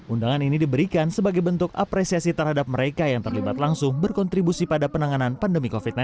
undangan ini diberikan sebagai bentuk apresiasi terhadap mereka yang terlibat langsung berkontribusi pada penanganan pandemi covid sembilan belas